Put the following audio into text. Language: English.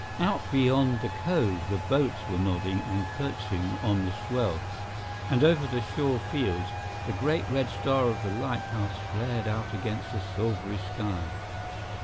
Out beyond the cove the boats were nodding and curtsying on the swell, and over the shore fields the great red star of the lighthouse flared out against the silvery sky.